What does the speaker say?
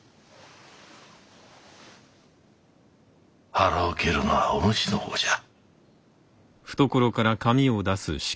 腹を切るのはお主の方じゃ。